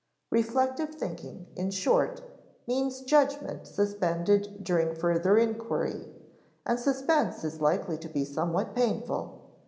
Reflective thinking, in short, means judgment suspended during further inquiry; and suspense is likely to be somewhat painful.